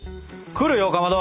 くるよかまど。